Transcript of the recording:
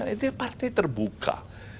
itu partai terbuka